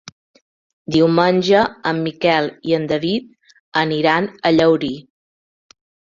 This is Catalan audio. Diumenge en Miquel i en David aniran a Llaurí.